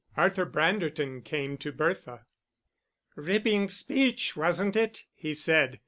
Arthur Branderton came to Bertha. "Ripping speech, wasn't it?" he said.